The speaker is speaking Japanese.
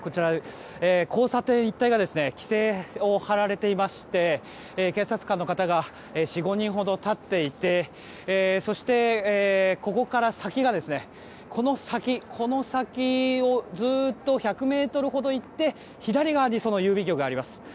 交差点一帯が規制を張られていまして警察官の方が４５人ほど立っていてそしてここから先をずっと１００ｍほど行って左側にその郵便局があります。